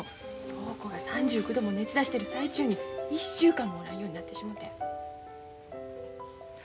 陽子が３９度も熱出してる最中に１週間もおらんようになってしもて。